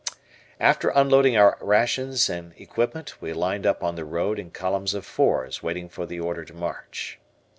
After unloading our rations and equipment, we lined up on the road in columns of fours waiting for the order to march.